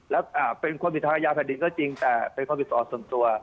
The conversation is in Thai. แล้วเป็นความผิดทางอาญาแผ่นดินก็จริงแต่เป็นความผิดต่อส่วนตัว